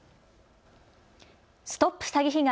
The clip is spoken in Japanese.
ＳＴＯＰ詐欺被害！